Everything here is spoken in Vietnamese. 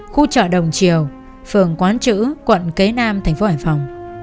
khu chợ đồng triều phường quán chữ quận kế nam tp hcm